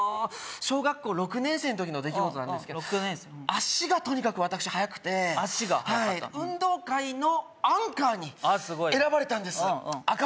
小学校６年生の時の出来事なんですけど足がとにかく私速くて足が速かったの運動会のアンカーに選ばれたんです赤